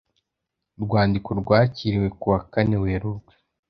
rwandiko rwakiriwe kuwa kane Werurwe